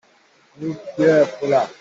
Nupi ṭhi tlangval le a mo an ra lio.